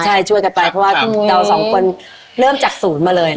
ใช่ช่วยกันไปเพราะว่าเราสองคนเริ่มจากศูนย์มาเลย